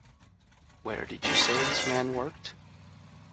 Where did you say this man worked?